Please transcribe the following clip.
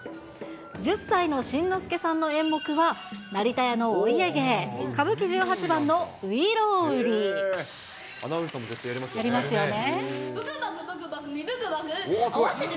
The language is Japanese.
１０歳の新之助さんの演目は、成田屋のお家芸、アナウンサーもやりますよね。